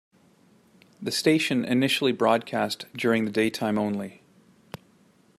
The station initially broadcast during the daytime only.